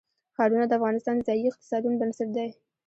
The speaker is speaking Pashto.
ښارونه د افغانستان د ځایي اقتصادونو بنسټ دی.